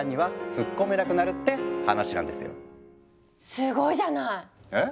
すごいじゃない！え？